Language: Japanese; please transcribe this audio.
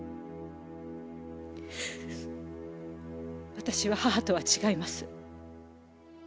私は母とは違います。